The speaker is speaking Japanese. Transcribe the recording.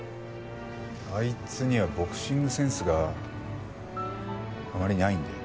あいつにはボクシングセンスがあまりないんで。